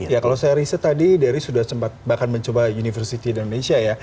ya kalau saya riset tadi dery sudah sempat bahkan mencoba university di indonesia ya